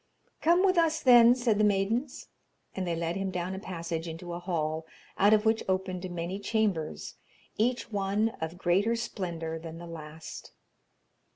'Come with us, then,' said the maidens, and they led him down a passage into a hall, out of which opened many chambers, each one of greater splendour than the last.